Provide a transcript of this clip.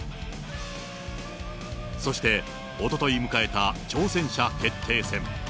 そして、おととい迎えた挑戦者決定戦。